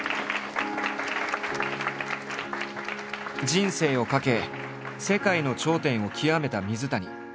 人生を懸け世界の頂点を極めた水谷。